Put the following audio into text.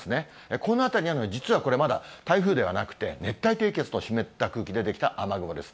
この辺りにあるのが、実はこれまだ、台風ではなくて、熱帯低気圧の湿った空気で出来た雨雲です。